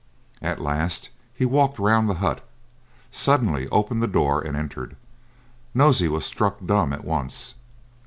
At last he walked round the hut, suddenly opened the door, and entered. Nosey was struck dumb at once.